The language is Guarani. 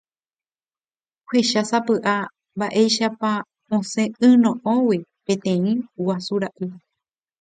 Ohechásapy'a mba'éichapa osẽ yno'õgui peteĩ guasu ra'y.